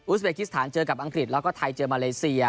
สเบกิสถานเจอกับอังกฤษแล้วก็ไทยเจอมาเลเซีย